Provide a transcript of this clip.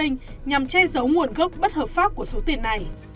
nhằm che giấu nguồn gốc bất hợp pháp của số tiền này